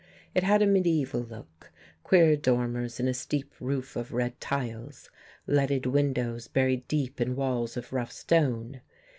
It had a mediaeval look, queer dormers in a steep roof of red tiles, leaded windows buried deep in walls of rough stone.